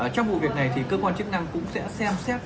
trong vụ việc này thì cơ quan chức năng cũng sẽ xem xét